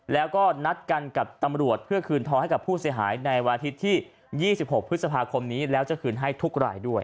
แล้วก็นัดกันกับตำรวจเพื่อคืนทองให้กับผู้เสียหายในวันอาทิตย์ที่๒๖พฤษภาคมนี้แล้วจะคืนให้ทุกรายด้วย